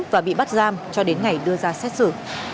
và bị bắt giam cho đến ngày đưa ra xét xử